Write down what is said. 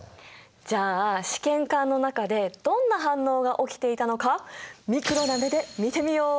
じゃあ試験管の中でどんな反応が起きていたのかミクロな目で見てみよう。